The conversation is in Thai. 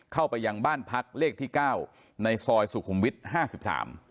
เข้าไปยังบ้านพักเลขที่๙ในซอยสุขุมวิทย์๕๓